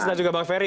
dan juga bang ferry